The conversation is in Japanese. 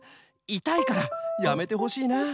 いたいからやめてほしいなあ。